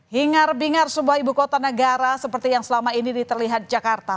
hingar bingar sebuah ibu kota negara seperti yang selama ini terlihat jakarta